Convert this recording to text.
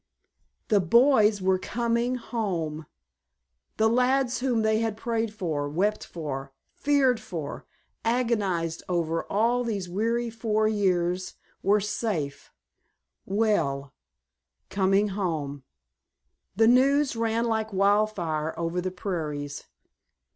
The boys were coming home! The lads whom they had prayed for, wept for, feared for, agonized over all these weary four years, were safe—well—coming home! The news ran like wildfire over the prairies.